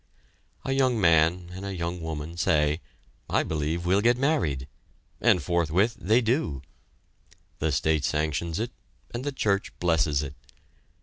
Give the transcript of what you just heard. A young man and a young woman say: "I believe we'll get married" and forthwith they do. The state sanctions it, and the church blesses it.